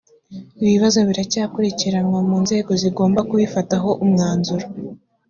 ibibazo biracyakurikiranwa mu nzego zigomba kubifataho umwanzuro